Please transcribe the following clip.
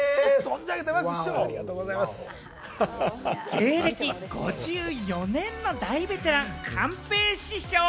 芸歴５４年の大ベテラン・寛平師匠。